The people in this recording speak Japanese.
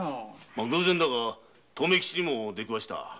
偶然だが留吉にも出くわした。